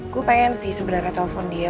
gue pengen sih sebenernya telfon dia